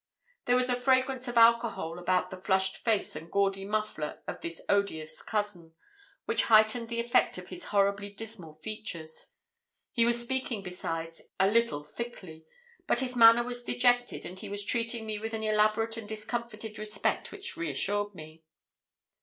There was a fragrance of alcohol about the flushed face and gaudy muffler of this odious cousin, which heightened the effect of his horribly dismal features. He was speaking, besides, a little thickly; but his manner was dejected, and he was treating me with an elaborate and discomfited respect which reassured me.